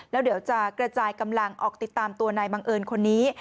แล้วเดี๋ยวจะกระจายกำลังออกติดตามตัวนายบังเอิญคนนี้